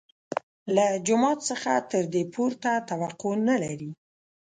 له جومات څخه تر دې پورته توقع نه لري.